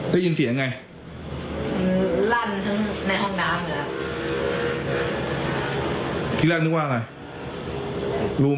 มันก็ตกอยู่อย่างนี้เลยหรือ